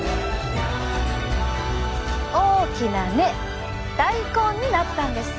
大きな根大根になったんです。